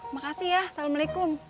makasih ya assalamualaikum